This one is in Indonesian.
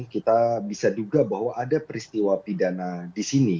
kita bisa duga bahwa ada peristiwa pidana di sini